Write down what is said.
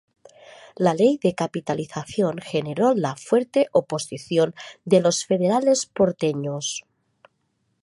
La Ley de Capitalización generó la fuerte oposición de los federales porteños.